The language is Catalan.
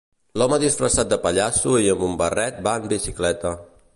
L'home disfressat de pallasso i amb un barret va en bicicleta